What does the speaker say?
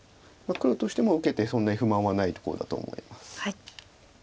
黒としても受けてそんなに不満はないところだと思います。